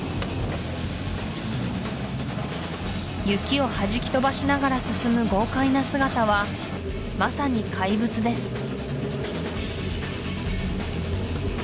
雪をはじき飛ばしながら進む豪快な姿はまさに怪物です